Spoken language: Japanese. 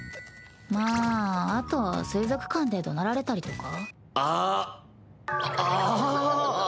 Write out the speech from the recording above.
まああと水族館でどなられたりとか。